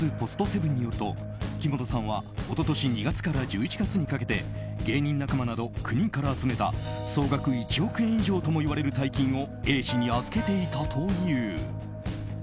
セブンによると木本さんは一昨年２月から１１月にかけて芸人仲間など９人から集めた総額１億円以上ともいわれる大金をＡ氏に預けていたという。